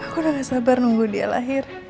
aku udah gak sabar nunggu dia lahir